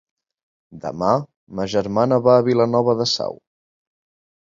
Demà ma germana va a Vilanova de Sau.